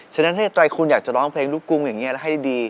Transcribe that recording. ฉะนั้นถ้าไตรคุณอยากจะร้องเพลงลูกกุ้งอย่างนี้แล้วให้ดี